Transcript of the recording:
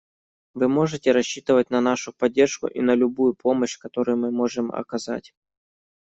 Вы можете рассчитывать на нашу поддержку и на любую помощь, которую мы можем оказать.